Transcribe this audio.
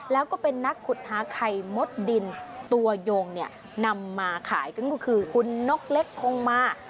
แล้วก็เป็นนักขุดหาไข่มดดินตัวยงเนี่ยนำมาขายก็คือคุณนกเล็กคงมา